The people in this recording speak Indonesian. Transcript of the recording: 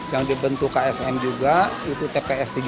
yang dibentuk ksm juga itu tps tiga r